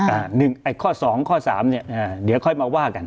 อ่า๑ค้า๒ค้า๓เนี่ยเดี๋ยวค่อยมาว่ากัน